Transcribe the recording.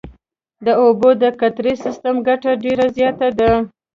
د اوبو د قطرهیي سیستم ګټه ډېره زیاته ده.